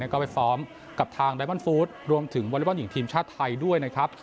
ก็ไปซ้อมกับทางไดมอนฟู้ดรวมถึงวอเล็กบอลหญิงทีมชาติไทยด้วยนะครับ